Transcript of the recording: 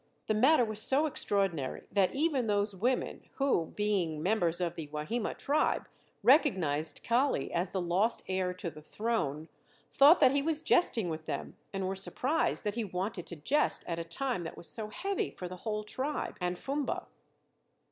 The matter was so extraordinary that even those women who, being members of the Wahima tribe, recognized Kali as the lost heir to the throne, thought that he was jesting with them and were surprised that he wanted to jest at a time that was so heavy for the whole tribe and Fumba.